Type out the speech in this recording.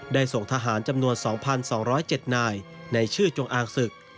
ส่งทหารจำนวน๒๒๐๗นายในชื่อจงอางศึก